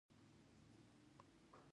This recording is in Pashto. د خوب د ګډوډۍ لپاره د ماښام چای مه څښئ